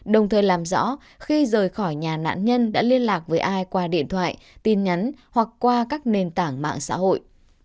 đồng thời làm rõ khi rời khỏi nhà nạn nhân đã liên lạc với ai qua điện thoại tin nhắn hoặc qua các nền tảng mạng xã hội